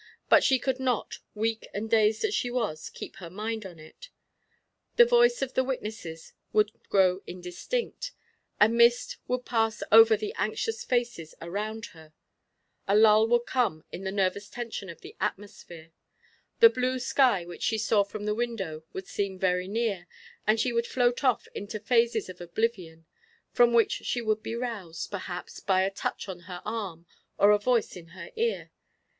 But she could not, weak and dazed as she was, keep her mind on it. The voice of the witnesses would grow indistinct, a mist would pass over the anxious faces around her, a lull would come in the nervous tension of the atmosphere; the blue sky, which she saw from the window, would seem very near, and she would float off into phases of oblivion, from which she would be roused, perhaps, by a touch on her arm, or a voice in her ear.